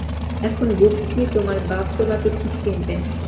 এখন বুঝছি তোমার বাপ তোমাকে ঠিক চিনতেন।